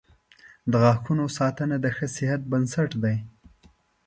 • د غاښونو ساتنه د ښه صحت بنسټ دی.